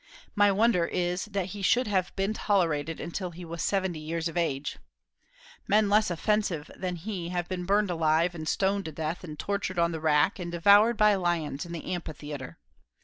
My wonder is that he should have been tolerated until he was seventy years of age. Men less offensive than he have been burned alive, and stoned to death, and tortured on the rack, and devoured by lions in the amphitheatre.